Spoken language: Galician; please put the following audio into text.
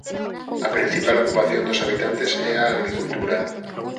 A principal ocupación dos habitantes é a agricultura.